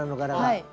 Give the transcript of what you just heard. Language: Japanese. はい。